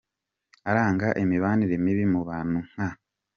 Aranga imibanire mibi mu bantu nka :.